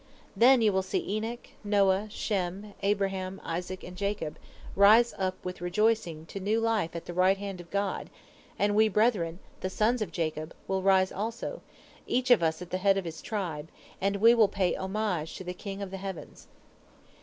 Then you will see Enoch, Noah, Shem, Abraham, Isaac, and Jacob rise up with rejoicing to new life at the right hand of God, and we brethren, the sons of Jacob, will arise also, each of us at the head of his tribe, and we will pay homage to the King of the heavens."